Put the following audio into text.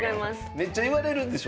めっちゃ言われるでしょ？